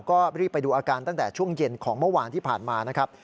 ก็รีบไปดูอาการตั้งแต่ช่วงเย็นของเมื่อวานที่ผ่านมานะครับ